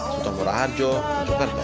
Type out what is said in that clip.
setonggora harjo cukarba